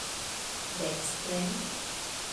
Dekstren!